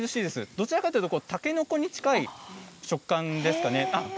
どちらかというとたけのこに近い食感ですかね。